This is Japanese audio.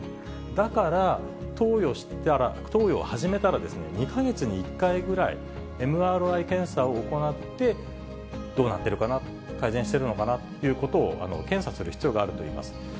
だから、投与を始めたら、２か月に１回ぐらい、ＭＲＩ検査を行って、どうなってるかな、改善してるのかなということを、検査する必要があるといいます。